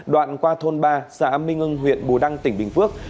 đoạn qua thôn ba xã minh hưng huyện bù đăng tỉnh bình phước